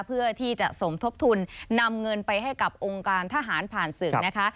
เพื่อที่จะสมทบทุนนำเงินไปให้กับองค์การทหารผ่านศึกนะคะ